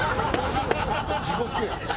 地獄やん。